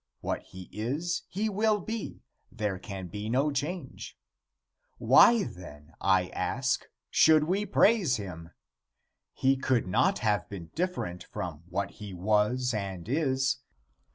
What he is, he will be, there can be no change. Why then, I ask, should we praise him? He could not have been different from what he was and is.